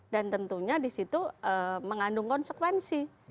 dan tentunya disitu mengandung konsekuensi